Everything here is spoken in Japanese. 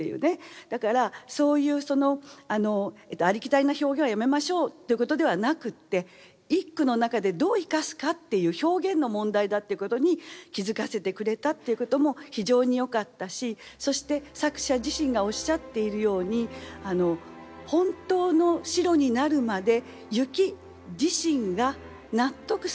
だからそういうありきたりな表現はやめましょうっていうことではなくって表現の問題だってことに気付かせてくれたってことも非常によかったしそして作者自身がおっしゃっているように本当の白になるまで雪自身が納得するまで降るんだ。